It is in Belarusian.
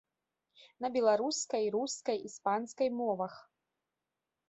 На беларускай, рускай, іспанскай мовах.